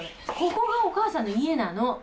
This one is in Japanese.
ここがお母さんの家なの。